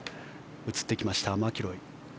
映ってきました、マキロイ。